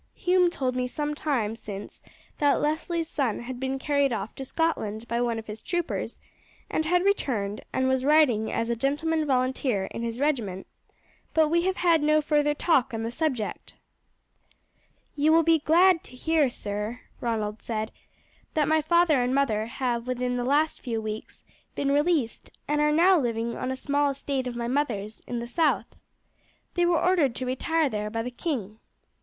Hume told me some time since that Leslie's son had been carried off to Scotland by one of his troopers, and had returned, and was riding as a gentleman volunteer in his regiment; but we have had no further talk on the subject." "You will be glad to hear, sir," Ronald said, "that my father and mother have within the last few weeks been released, and are now living on a small estate of my mother's in the south. They were ordered to retire there by the king."